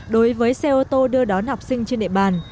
đối với xe ô tô đưa đón học sinh trên địa bàn